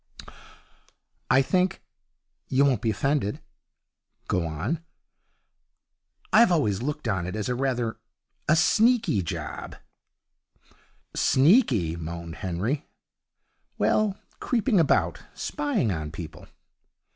'I think you won't be offended?' 'Go on.' 'I've always looked on it as rather a sneaky job.' 'Sneaky!' moaned Henry. 'Well, creeping about, spying on people.'